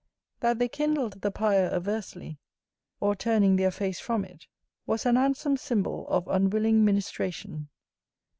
That they kindled the pyre aversely, or turning their face from it, was an handsome symbol of unwilling ministration.